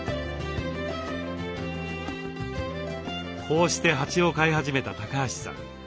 こうして蜂を飼い始めた橋さん。